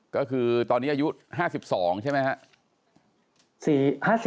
ก็คือตอนนี้อายุ๕๒ใช่ไหมครับ